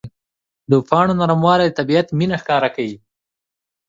د پاڼو نرموالی د طبیعت مینه ښکاره کوي.